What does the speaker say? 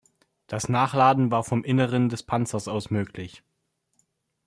Das Nachladen war vom Inneren des Panzers aus möglich.